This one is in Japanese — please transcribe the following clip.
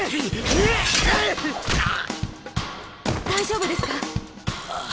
大丈夫ですか？